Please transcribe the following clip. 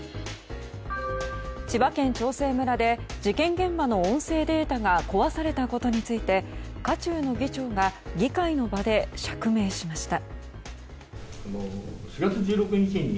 千葉県長生村で事件現場の音声データが壊されたことについて渦中の議長が議会の場で釈明しました。